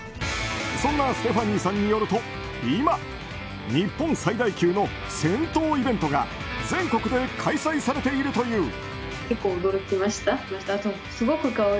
そんなステファニーさんによると今、日本最大級の銭湯イベントが全国で開催されているという。